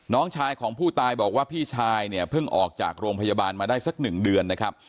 น้องชายของผู้ตายบอกว่าพี่ชายเนี่ยเพิ่งออกจากโรงพยาบาลมาได้สักหนึ่งเดือนนะครับ